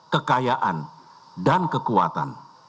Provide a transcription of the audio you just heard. kekayaan dan kekuatan